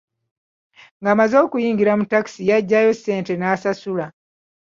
Ng'amaze okuyingira mu takisi yagyayo ssente n'asasula.